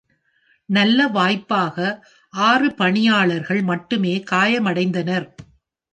நல்வாய்ப்பாக, ஆறு பணியாளர்கள் மட்டுமே காயமடைந்தனர்.